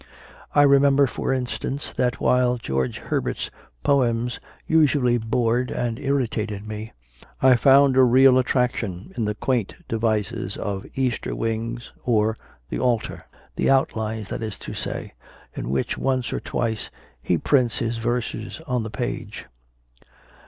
I remember, for instance, that while George Herbert s poems usually bored and irritated me, I found a real attraction in the quaint devices of "Easter wings" or the " altar" the outlines, that is to say, in which once or twice he prints his verses on the page.